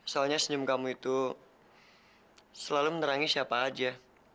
soalnya senyum kamu itu selalu menerangi siapa aja